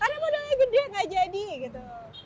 karena modalnya gede gak jadi gitu